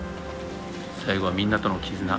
「最後はみんなとの絆。